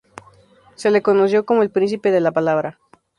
Se le conoció como el "Príncipe de la Palabra".